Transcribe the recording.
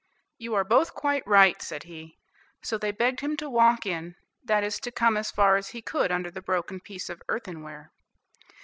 "You are both quite right," said he; so they begged him to walk in, that is to come as far as he could under the broken piece of earthenware.